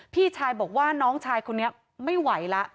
พี่ชายบอกว่าน้องชายคนนี้ไม่ไหวแล้ว